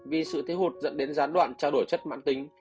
vì sự thiết hụt dẫn đến gián đoạn trao đổi chất mạng tính